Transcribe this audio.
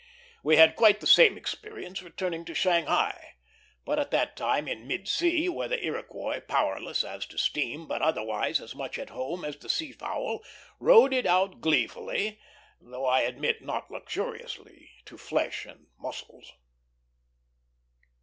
We had quite the same experience returning to Shanghai; but at that time in mid sea, where the Iroquois, powerless as to steam, but otherwise as much at home as the sea fowl, rode it out gleefully, though I admit not luxuriously to flesh and muscles.